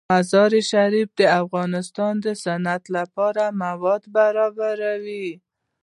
مزارشریف د افغانستان د صنعت لپاره مواد برابروي.